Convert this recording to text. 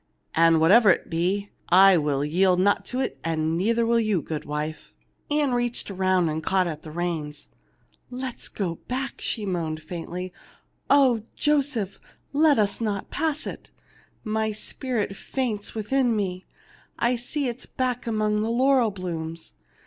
"An' whatever it be, I will yield not to it ; an' neither will you, goodwife." Ann reached around and caught at the reins. "Let us go back/' she moaned, faintly. " Oh, 22Q THE LITTLE MAID AT THE DOOR J oseph, let us not pass it. My spirit faints within me. I see its back among the laurel blooms.